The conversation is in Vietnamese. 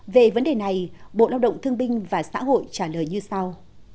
về vấn đề này bộ lao động thương binh và xã hội trả lời như sau